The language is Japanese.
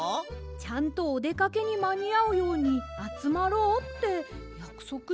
ちゃんとおでかけにまにあうようにあつまろうってやくそくしましたよ。